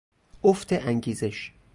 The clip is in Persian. افت انگیزش